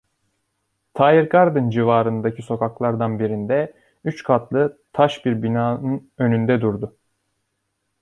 Tiergarten civarındaki sokaklardan birinde, üç katlı taş bir binanın önünde durdu.